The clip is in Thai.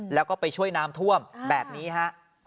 แล้วก็ไปช่วยน้ำท่วมแบบนี้ฮะ